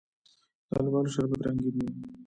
د الوبالو شربت رنګین وي.